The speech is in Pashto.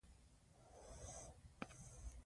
ټول جهان له ما ودان دی نه ورکېږم